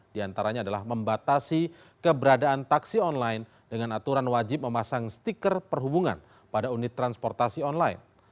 di antaranya adalah membatasi keberadaan taksi online dengan aturan wajib memasang stiker perhubungan pada unit transportasi online